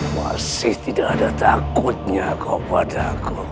masih tidak ada takutnya kau pada aku